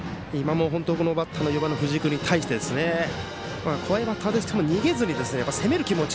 バッターの藤井君に対して怖いバッターですけど逃げずに攻める気持ち